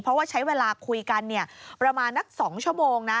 เพราะว่าใช้เวลาคุยกันประมาณนัก๒ชั่วโมงนะ